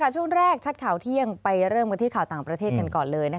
ช่วงแรกชัดข่าวเที่ยงไปเริ่มกันที่ข่าวต่างประเทศกันก่อนเลย